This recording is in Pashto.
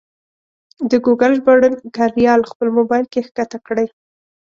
د ګوګل ژباړن کریال خپل مبایل کې کښته کړئ.